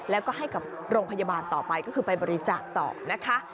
แล้วก็ให้กับโรงพยาบาลต่อไปก็คือไปบริจาคต่อนะคะ